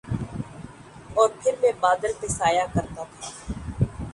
اور پھر میں بادل پہ سایہ کرتا تھا